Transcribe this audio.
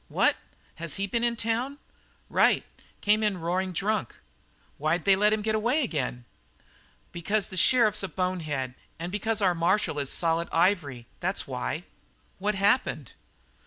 "What? Has he been in town?" "Right. Came in roaring drunk." "Why'd they let him get away again?" "Because the sheriff's a bonehead and because our marshal is solid ivory. That's why." "What happened?"